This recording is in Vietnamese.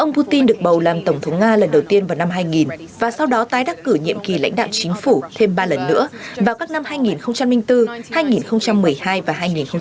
ông putin được bầu làm tổng thống nga lần đầu tiên vào năm hai nghìn và sau đó tái đắc cử nhiệm kỳ lãnh đạo chính phủ thêm ba lần nữa vào các năm hai nghìn bốn hai nghìn một mươi hai và hai nghìn một mươi